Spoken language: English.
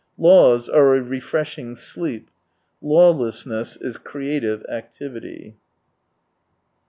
Laws are a refreshing sleep — lawlessness is creative activity.